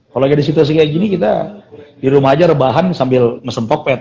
kalau ada di situasi kayak gini kita di rumah aja rebahan sambil ngesempok pet